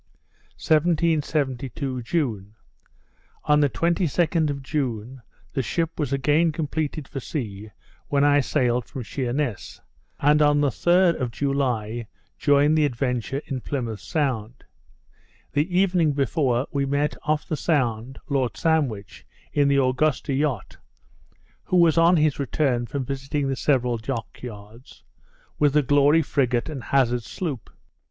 1772 June On the 22d of June the ship was again completed for sea, when I sailed from Sheerness; and on the 3d of July joined the Adventure in Plymouth Sound. The evening before, we met, off the Sound, Lord Sandwich, in the Augusta yacht, (who was on his return from visiting the several dock yards,) with the Glory frigate and Hazard sloop.